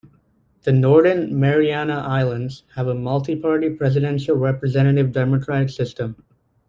The Northern Mariana Islands have a multiparty presidential representative democratic system.